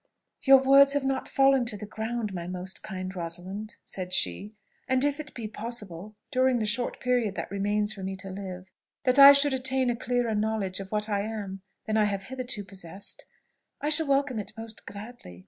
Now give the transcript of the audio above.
"Your words have not fallen to the ground, my most kind Rosalind," said she; "and if it be possible, during the short period that remains for me to live, that I should attain a clearer knowledge of what I am than I have hitherto possessed, I shall welcome it most gladly.